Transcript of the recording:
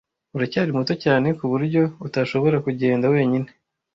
Uracyari muto cyane kuburyo utashobora kugenda wenyine.